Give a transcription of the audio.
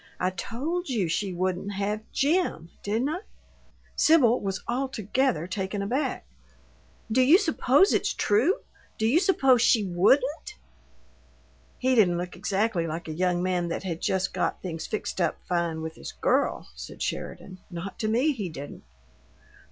I told you she wouldn't have JIM, didn't I?" Sibyl was altogether taken aback. "Do you supose it's true? Do you suppose she WOULDN'T?" "He didn't look exactly like a young man that had just got things fixed up fine with his girl," said Sheridan. "Not to me, he didn't!"